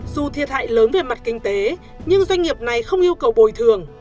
dù thiệt hại lớn về mặt kinh tế nhưng doanh nghiệp này không yêu cầu bồi thường